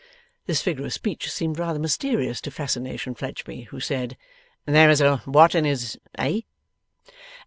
This figure of speech seemed rather mysterious to Fascination Fledgeby, who said, 'There's a what in his eh?